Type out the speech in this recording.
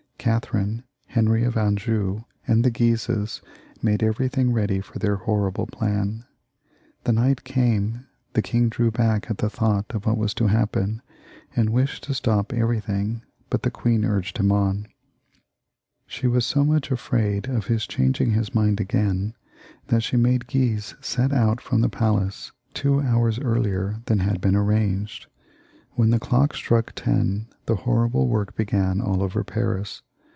Catherine, Henry of Anjou, and the Guises, made everything ready for their horrible plan. The night came ; the king drew back at the thought of what was to happen, and wished to stop everything, but the queen urged him on. She was so much afraid of his changing his mind again, f I 282 CHARLES IX. [CH. that she made Guise set out from the palace two hours earlier than had been arranged. When the clock struck ten the horrible work began all over Paris.